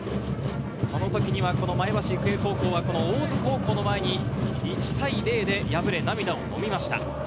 その時には前橋育英高校は大津高校の前に、１対０で敗れ、涙をのみました。